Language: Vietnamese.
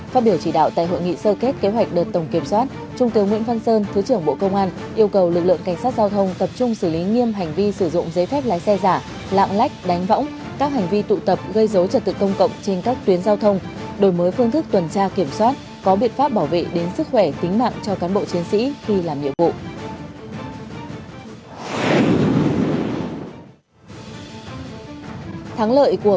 phát biểu chỉ đạo tại hội nghị sơ kết kế hoạch đợt tổng kiểm soát trung tướng nguyễn văn sơn thứ trưởng bộ công an yêu cầu lực lượng cảnh sát giao thông tập trung xử lý nghiêm hành vi sử dụng giấy phép lái xe giả lạng lách đánh võng các hành vi tụ tập gây dấu trật tực công cộng trên các tuyến giao thông đổi mới phương thức tuần tra kiểm soát có biện pháp bảo vệ đến sức khỏe tính mạng cho cán bộ chiến sĩ khi làm nhiệm vụ